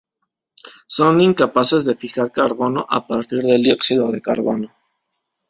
Son incapaces de fijar carbono a partir del dióxido de carbono.